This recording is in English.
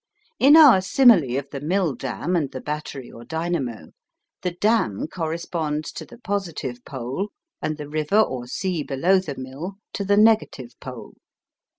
In our simile of the mill dam and the battery or dynamo, the dam corresponds to the positive pole and the river or sea below the mill to the negative pole.